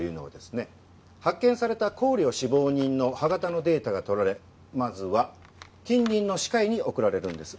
発見された行旅死亡人の歯型のデータが取られまずは近隣の歯科医に送られるんです。